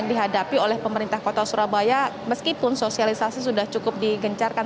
dihadapi oleh pemerintah kota surabaya meskipun sosialisasi sudah cukup digencarkan